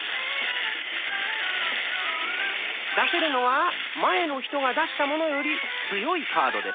出せるのは前の人が出したものより強いカードです。